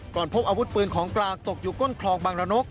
พบอาวุธปืนของกลางตกอยู่ก้นคลองบางระนก